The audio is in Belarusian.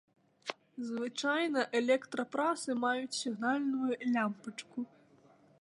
Звычайна электрапрасы маюць сігнальную лямпачку.